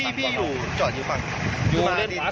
อันนี้ไฟแดงพี่อยู่ที่สดนะครับ